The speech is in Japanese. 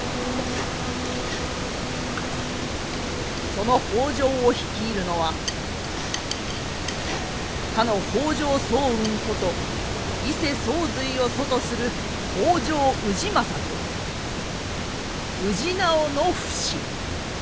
その北条を率いるのはかの北条早雲こと伊勢宗瑞を祖とする北条氏政と氏直の父子。